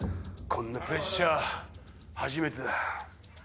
こんなプレッシャー初めてだ。